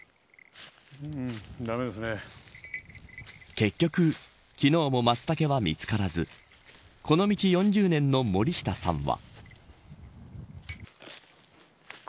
結局、昨日もマツタケは見つからずこの道４０年の森下さんは。